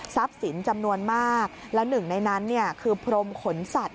สินจำนวนมากและหนึ่งในนั้นเนี่ยคือพรมขนสัตว